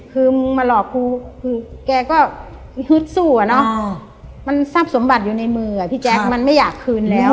คือมึงมาหลอกกูคือแกก็ฮึดสู้อะเนาะมันทรัพย์สมบัติอยู่ในมืออ่ะพี่แจ๊คมันไม่อยากคืนแล้ว